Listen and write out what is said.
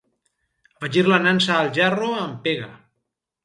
Afegir la nansa al gerro amb pega.